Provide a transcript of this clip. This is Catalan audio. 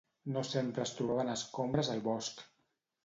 No sempre es trobaven escombres al bosc.